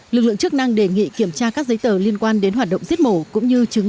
lực lượng chức năng đề nghị kiểm tra các giấy tờ liên quan đến hoạt động giết mổ cũng như chứng